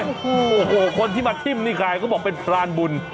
โอ้โหคนที่มาทิ้มนี่ใครเขาบอกเป็นพรานบุญ